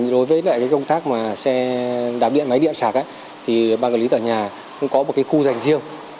đối với công tác xe đạp điện máy điện sạc băng lý tà nhà cũng có một khu dành riêng